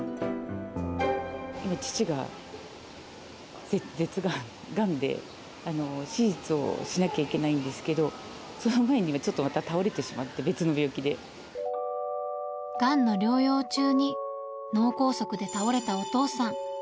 父が舌がん、がんで、手術をしなきゃいけないんですけど、その前に、ちょっとまた倒れてしがんの療養中に、脳梗塞で倒れたお父さん。